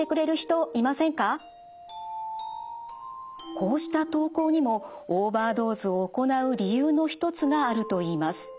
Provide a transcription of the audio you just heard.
こうした投稿にもオーバードーズを行う理由の一つがあるといいます。